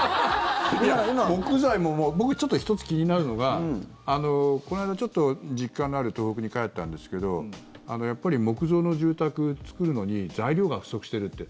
木材も僕、ちょっと１つ気になるのがこの間ちょっと実家のある東北に帰ったんですけどやっぱり木造の住宅作るのに材料が不足してるって。